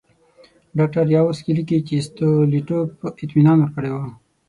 ډاکټر یاورسکي لیکي چې ستولیټوف اطمینان ورکړی وو.